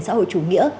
xã hội chủ nghĩa